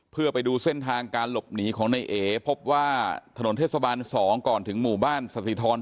เพื่อไปดูเส้นทางการหลบหนีของนายเอพบว่าถนนเทศบาล๒ก่อนถึงหมู่บ้านสถิธร